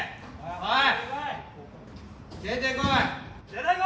おい！